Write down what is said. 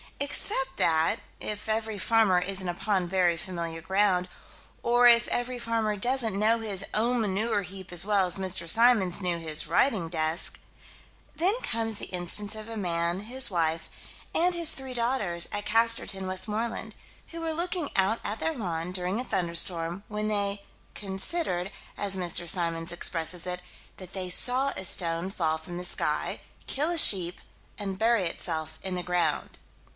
Except that if every farmer isn't upon very familiar ground or if every farmer doesn't know his own manure heap as well as Mr. Symons knew his writing desk Then comes the instance of a man, his wife, and his three daughters, at Casterton, Westmoreland, who were looking out at their lawn, during a thunderstorm, when they "considered," as Mr. Symons expresses it, that they saw a stone fall from the sky, kill a sheep, and bury itself in the ground.